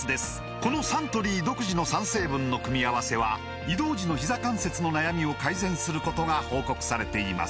このサントリー独自の３成分の組み合わせは移動時のひざ関節の悩みを改善することが報告されています